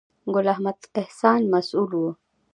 ګل احمد احسان مسؤل و.